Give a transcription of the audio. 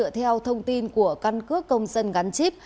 tin của căn cứ công dân gắn chip